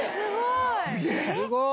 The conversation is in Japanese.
すごーい！